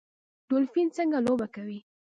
ډولفین څنګه لوبه کوي؟